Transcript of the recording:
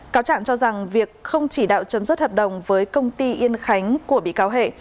cáo trạng cho rằng việc không chỉ đạo chấm dứt hợp đồng với công ty yên khánh của bị cáo hệ